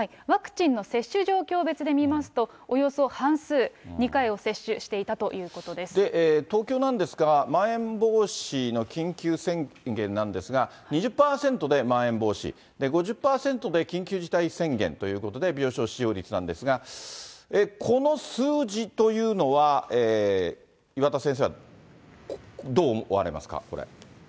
ワクチンの接種状況別で見ますと、およそ半数、２回を接種し東京なんですが、まん延防止の緊急宣言なんですが、２０％でまん延防止、５０％で緊急事態宣言ということで、病床使用率なんですが、この数字というのは、岩田先生はどう思われますか、これ。